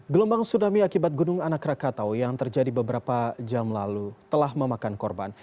gelombang tsunami akibat gunung anak rakatau yang terjadi beberapa jam lalu telah memakan korban